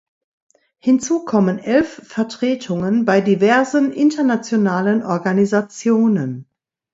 Hinzu kommen elf Vertretungen bei diversen internationalen Organisationen.